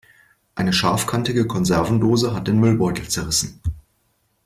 Eine scharfkantige Konservendose hat den Müllbeutel zerrissen.